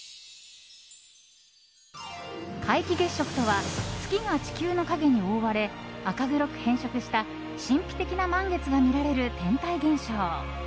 皆既月食とは月が地球の影に覆われ赤黒く変色した神秘的な満月が見られる天体現象。